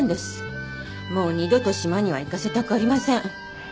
もう二度と島には行かせたくありません。